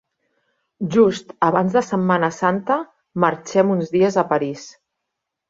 Just abans de Setmana Santa marxem uns dies a París.